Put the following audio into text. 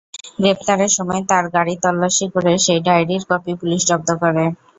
গ্রেপ্তারের সময় তাঁর গাড়ি তল্লাশি করে সেই ডায়েরির কপি পুলিশ জব্দ করে।